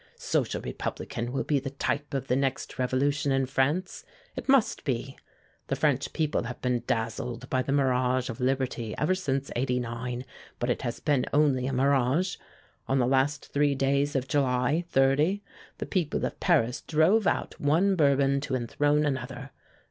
Social Republican will be the type of the next revolution in France it must be. The French people have been dazzled by the mirage of liberty ever since '89, but it has been only a mirage. On the last three days of July, '30, the people of Paris drove out one Bourbon to enthrone another.